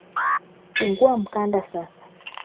Fungua mkanda sasa